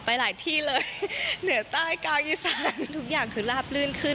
ไปหลายที่เลยเหนือใต้กาวอีสานทุกอย่างคือลาบลื่นขึ้น